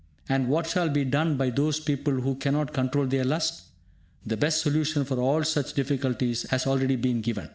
And what shall be done by those people who cannot control their lust? The best solution for all such difficulties has already been given.